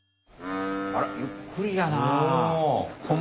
あらゆっくりやな。